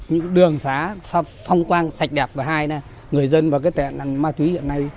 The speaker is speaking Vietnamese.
những đường xá phong quang sạch đẹp và hai nè người dân và tệ nạn ma túy hiện nay